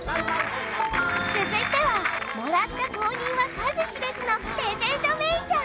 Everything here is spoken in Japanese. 続いてはもらった公認は数知れずのレジェンドメイちゃん。